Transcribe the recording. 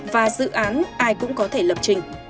và dự án ai cũng có thể lập trình